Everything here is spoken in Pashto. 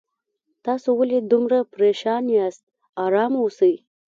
تاسو ولې دومره پریشان یاست آرام اوسئ